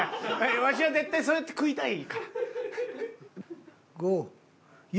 わしは絶対そうやって食いたいから。